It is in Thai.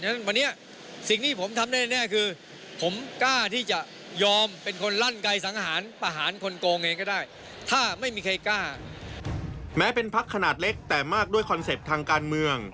ฉะนั้นวันนี้สิ่งที่ผมทำได้แน่คือ